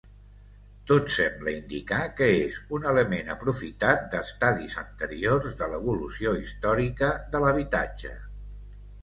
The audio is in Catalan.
Tot sembla indicar que és un element aprofitat d'estadis anteriors de l'evolució històrica de l'habitatge.